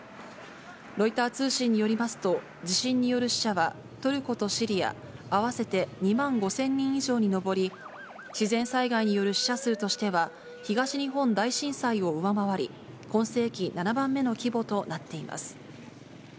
ロイター通信によりますと、地震による死者は、トルコとシリア合わせて２万５０００人以上に上り、自然災害による死者数としては、東日本大震災を上回り、今世紀７番目の規模となっています。